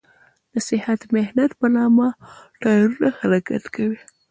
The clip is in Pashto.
د سخت محنت په نامه په ټایرونو حرکت کوي.